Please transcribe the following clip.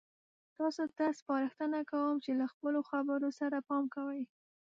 تاسو ته سپارښتنه کوم چې له خپلو خبرو سره پام کوئ.